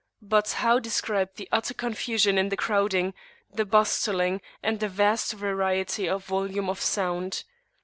But how describe the utter confusion in the crowding, the bustling, and the vast variety and volume of sound?